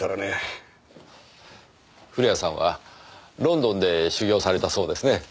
古谷さんはロンドンで修業されたそうですね。